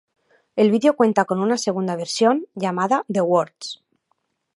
El vídeo cuenta con una segunda versión, llamada "The Words".